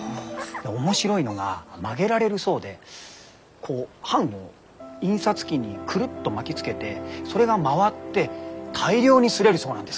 で面白いのが曲げられるそうでこう版を印刷機にくるっと巻きつけてそれが回って大量に刷れるそうなんです。